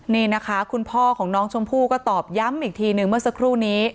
นี่นะคะคุณพ่อของน้องชมพู่ก็ตอบย้ำอีกทีหนึ่งเมื่อสักครู่นี้